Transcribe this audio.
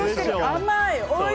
甘い！